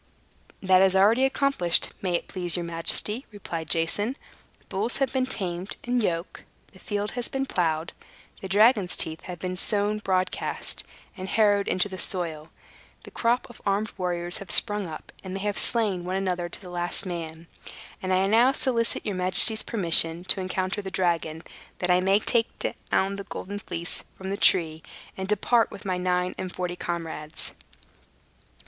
"That is already accomplished, may it please your majesty," replied Jason. "The bulls have been tamed and yoked; the field has been plowed; the dragon's teeth have been sown broadcast, and harrowed into the soil; the crop of armed warriors have sprung up, and they have slain one another, to the last man. And now I solicit your majesty's permission to encounter the dragon, that I may take down the Golden Fleece from the tree, and depart, with my nine and forty comrades."